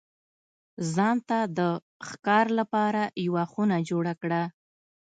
ځان ته د ښکار لپاره یوه خونه جوړه کړه.